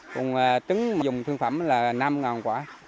cùng trứng dùng thương phẩm là năm quả